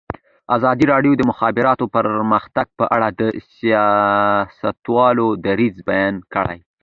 ازادي راډیو د د مخابراتو پرمختګ په اړه د سیاستوالو دریځ بیان کړی.